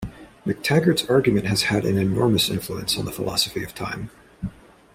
McTaggart's argument has had an enormous influence on the philosophy of time.